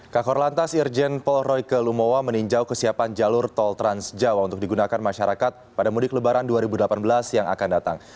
kak korlantas irjen polroike lumowa meninjau kesiapan jalur tol trans jawa untuk digunakan masyarakat pada mudik lebaran dua ribu delapan belas yang akan datang